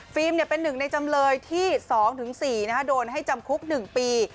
เป็นหนึ่งในจำเลยที่๒๔โดนให้จำคุก๑ปี